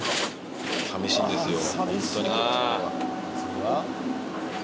寂しいんですよ。